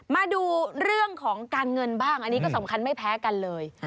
มาดูเรื่องของการเงินบ้างอันนี้ก็สำคัญไม่แพ้กันเลย